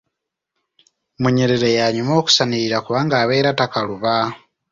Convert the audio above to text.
Munyerere y’anyuma okusanirira kubanga abeera takaluba.